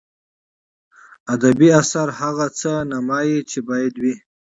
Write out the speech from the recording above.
ادبي اثر هغه څه نمایي چې باید وي.